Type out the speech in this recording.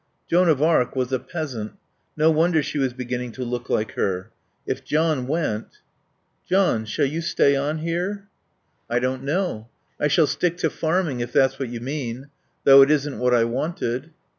Joan of Arc was a peasant. No wonder she was beginning to look like her. If John went "John, shall you stay on here?" "I don't know. I shall stick to farming if that's what you mean. Though it isn't what I wanted."